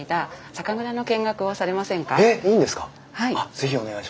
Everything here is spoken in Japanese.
是非お願いします。